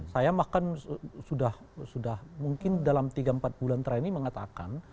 saya bahkan sudah mungkin dalam tiga empat bulan terakhir ini mengatakan